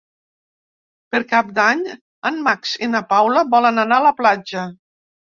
Per Cap d'Any en Max i na Paula volen anar a la platja.